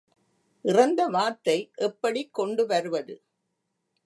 இறந்த வாத்தை எப்படிக் கொண்டுவருவது?